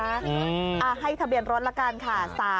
ให้ทะเบียนรถละกันค่ะ